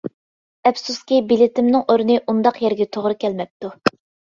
ئەپسۇسكى، بېلىتىمنىڭ ئورنى ئۇنداق يەرگە توغرا كەلمەپتۇ.